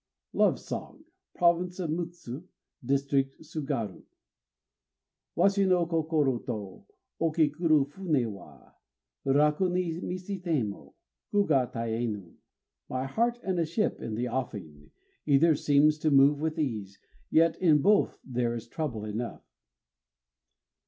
LOVE SONG (Province of Mutsu, district of Sugaru) Washi no kokoro to Oki kuru funé wa, Raku ni misétémo, Ku ga taënu. My heart and a ship in the offing either seems to move with ease; yet in both there is trouble enough.